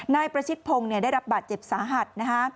นายประชิดพงศ์ได้รับบาดเจ็บสาหัส